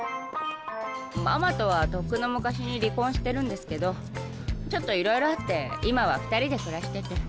ママとはとっくの昔に離婚してるんですけどちょっといろいろあって今は２人で暮らしてて。